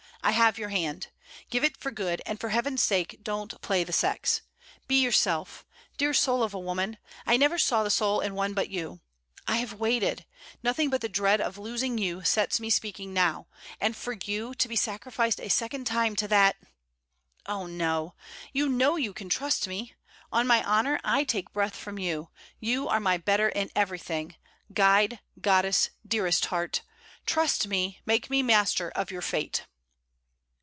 I have your hand. Give it for good, and for heaven's sake don't play the sex. Be yourself. Dear soul of a woman! I never saw the soul in one but in you. I have waited: nothing but the dread of losing you sets me speaking now. And for you to be sacrificed a second time to that ! Oh, no! You know you can trust me. On my honour, I take breath from you. You are my better in everything guide, goddess, dearest heart! Trust me; make me master of your fate.'